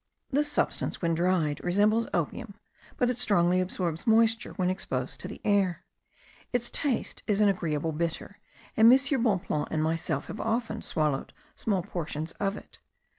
This substance, when dried, resembles opium; but it strongly absorbs moisture when exposed to the air. Its taste is an agreeable bitter, and M. Bonpland and myself have often swallowed small portions of it.